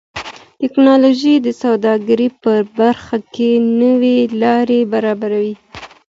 ټکنالوژي د سوداګرۍ په برخه کې نوې لارې برابروي.